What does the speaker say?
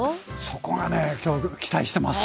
そこがね今日期待してます。